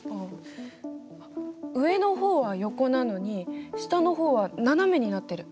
あっ上の方は横なのに下の方は斜めになってる！